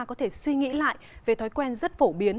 có thể suy nghĩ lại về thói quen rất phổ biến